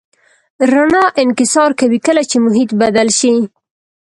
رڼا انکسار کوي کله چې محیط بدل شي.